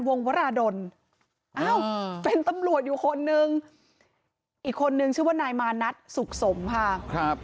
วงวราฏลเป็นตำรวจอยู่คนนึงอีกคนนึงชื่อว่านายมารัฐสุขสมค่ะ